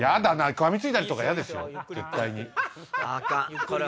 かみついたりとか嫌ですよ絶対。